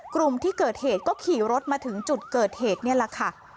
กลุ่มที่เกิดเหตุก็ขี่รถมาถึงจุดเกิดเหตุนี่แหละค่ะ